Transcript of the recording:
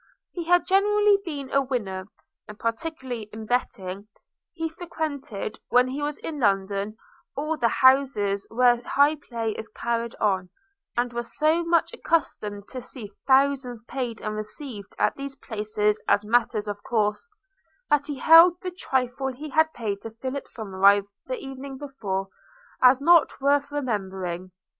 He had generally been a winner, and particularly in betting: – he frequented, when he was in London, all the houses where high play is carried on; and was so much accustomed to see thousands paid and received at these places as matters of course, that he held the trifle he had paid to Philip Somerive the evening before as not worth remembering.